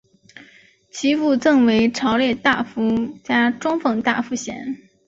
其父赠为朝列大夫加中奉大夫衔。